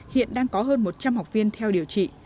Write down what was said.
hiện đang có hơn một trăm linh học viên theo điều trị